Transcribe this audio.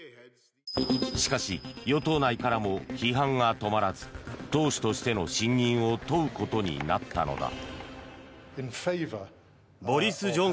しかし与党内からも批判が止まらず党首としての信任を問うことになったのだ。